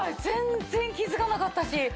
全然気づかなかったし。